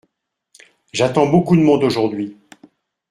J'attends beaucoup de monde aujourd'hui.